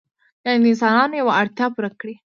یعنې د انسانانو یوه اړتیا پوره کړي.